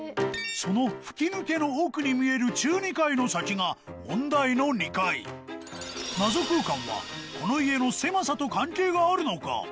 その吹き抜けの奥に見える中２階の先が問題の２階謎空間はこの家の狭さと関係があるのか？